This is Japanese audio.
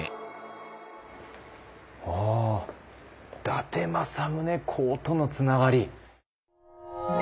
伊達政宗公とのつながり。